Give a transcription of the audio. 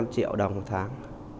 bốn năm triệu đồng một tháng